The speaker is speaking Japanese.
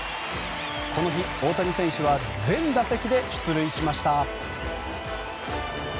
この日、大谷選手は全打席で出塁しました。